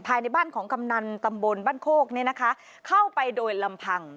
ภายในบ้านของกำนันตำบลบ้านโคกเนี่ยนะคะเข้าไปโดยลำพัง